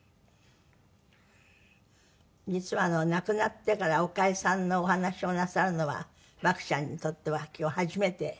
実は亡くなってから岡江さんのお話をなさるのは獏ちゃんにとっては今日初めて。